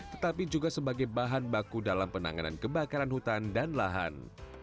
tetapi juga sebagai bahan baku dalam penanganan kebakaran hutan dan lahan